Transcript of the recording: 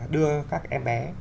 đưa các em bé